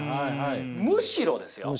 むしろですよ！